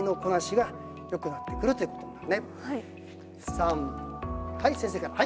さんはい先生からはい。